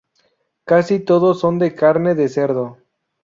Casi todos son de carne de cerdo.